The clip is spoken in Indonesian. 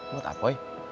buat apa eh